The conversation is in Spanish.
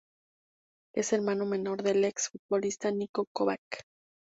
Es hermano menor del ex futbolista Niko Kovač.